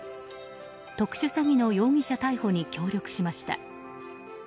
特殊詐欺の容疑者逮捕に協力しました。